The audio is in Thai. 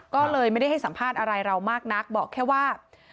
ก็เลยไม่ได้ให้สัมภาษณ์อะไรเรามากนักบอกแค่ว่า